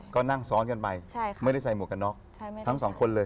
ก็นั่งซ้อนกันไปไม่ได้ใส่หมวกกันน็อกทั้งสองคนเลย